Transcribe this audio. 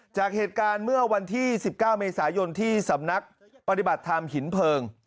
จากเหตุการณ์เมื่อวันที่๑๙เมษายนที่สำนักปฏิบัติธรรมหินเพลิง